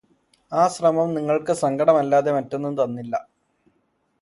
ആ ശ്രമം നിങ്ങള്ക്ക് സങ്കടമല്ലാതെ മറ്റൊന്നും തന്നില്ല